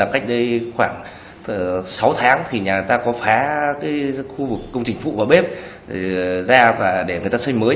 cách đây khoảng sáu tháng thì nhà ta có phá khu vực công trình phụ vào bếp ra và để người ta xây mới